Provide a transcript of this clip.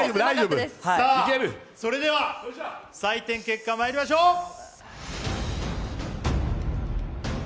それでは採点結果まいりましょう。